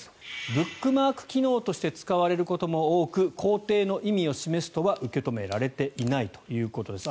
ブックマーク機能として使われることも多く肯定の意味を示すとは受け止められていないということです。